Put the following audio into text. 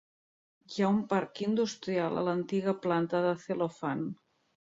Hi ha un parc industrial a l"antiga planta de Cellophane.